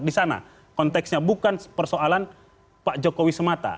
di sana konteksnya bukan persoalan pak jokowi semata